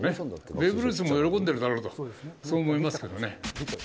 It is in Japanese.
ベーブ・ルースも喜んでいるだろうと、そう思いますよね。